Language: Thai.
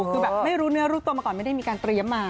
คือแบบไม่รู้เนื้อรู้ตัวมาก่อนไม่ได้มีการเตรียมมา